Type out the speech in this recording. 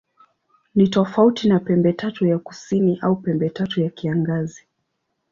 Ni tofauti na Pembetatu ya Kusini au Pembetatu ya Kiangazi.